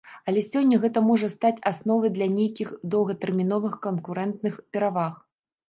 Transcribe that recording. Але сёння гэта можа стаць асновай для нейкіх доўгатэрміновых канкурэнтных пераваг.